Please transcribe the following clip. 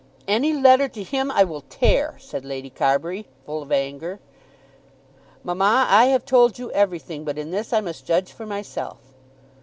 "Any letter to him, I will tear," said Lady Carbury, full of anger. "Mamma, I have told you everything, but in this I must judge for myself."